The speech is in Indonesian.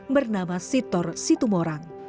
bernama sitor situmorang